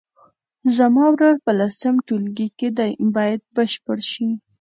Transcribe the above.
زما ورور په لسم ټولګي کې دی باید بشپړ شي.